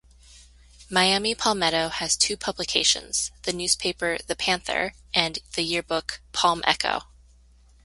Miami Palmetto has two publications: the newspaper, "The Panther", and the yearbook, "Palm Echo".